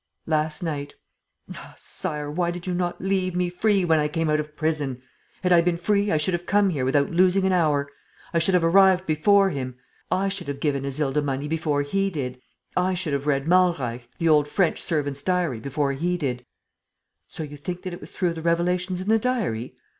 "Last night. Ah, Sire, why did you not leave me free when I came out of prison! Had I been free, I should have come here without losing an hour. I should have arrived before him! I should have given Isilda money before he did! I should have read Malreich, the old French servant's diary, before he did!" "So you think that it was through the revelations in the diary